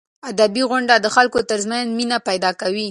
ادبي غونډې د خلکو ترمنځ مینه پیدا کوي.